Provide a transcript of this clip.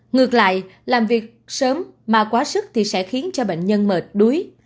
ngược lại làm việc sớm mà quá sức thì sẽ khiến cho bệnh nhân mệt đuối